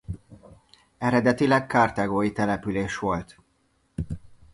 Eredetileg karthágói település volt.